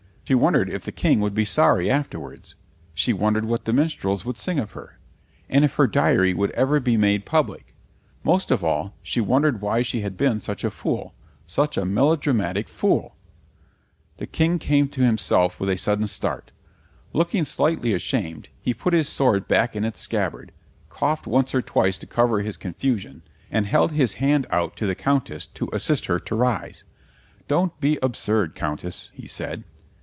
She wondered if the King would be sorry afterwards; she wondered what the minstrels would sing of her, and if her diary would ever be made public; most of all she wondered why she had been such a fool, such a melodramatic fool. The King came to himself with a sudden start. Looking slightly ashamed he put his sword back in its scabbard, coughed once or twice to cover his confusion, and held his hand out to the Countess to assist her to rise. "Don't be absurd, Countess," he said.